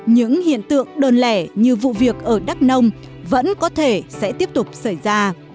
những hiện tượng đơn lẻ như vụ việc ở đắk nông vẫn có thể sẽ tiếp tục xảy ra